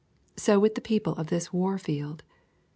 So with the people of this war field.